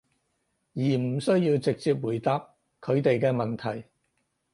而唔需要直接回答佢哋嘅問題